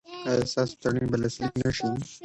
ایا ستاسو تړون به لاسلیک نه شي؟